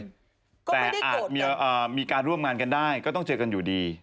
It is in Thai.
ก็ไม่ได้โกรธกันแต่อาจมีการร่วมงานกันได้ก็ต้องเจอกันอยู่ดี